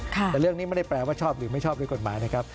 แต่เรื่องนี้ไม่ได้แปลว่าชอบหรือไม่ชอบด้วยกฎหมายนะครับ